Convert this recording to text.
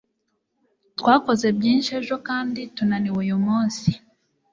twakoze byinshi ejo kandi tunaniwe uyu munsi